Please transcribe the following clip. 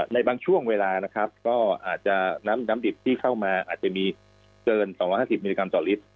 ในบางช่วงเวลานะครับก็อาจจะน้ำดิบที่เข้ามาอาจจะมีเกิน๒๕๐มิลลิกรัมต่อลิตร